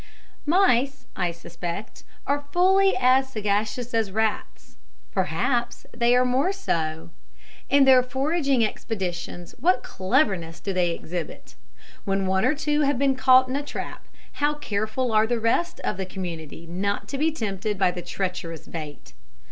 Mice, I suspect, are fully as sagacious as rats; perhaps they are more so. In their foraging expeditions what cleverness do they exhibit! When one or two have been caught in a trap, how careful are the rest of the community not to be tempted by the treacherous bait.